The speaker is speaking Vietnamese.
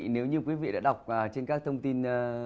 nếu như quý vị đã đọc trên các thông tin